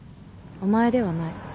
「お前」ではない。